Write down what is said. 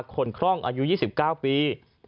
คร่องอายุ๒๙ปี